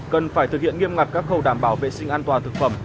cần phải thực hiện nghiêm ngặt các khâu đảm bảo vệ sinh an toàn thực phẩm